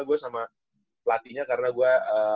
gua sama pelatihnya karena gua